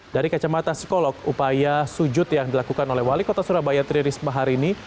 dari kacamata psikolog upaya sujud yang dilakukan oleh wali kota surabaya tri risma hari ini